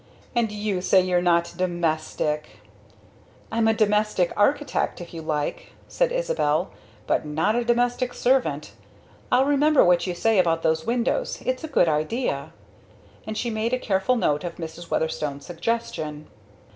"And you say you're not domestic!" "I'm a domestic architect, if you like," said Isabel; "but not a domestic servant. I'll remember what you say about those windows it's a good idea," and she made a careful note of Mrs. Weatherstone's suggestion.